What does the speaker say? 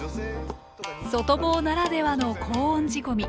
外房ならではの高温仕込み。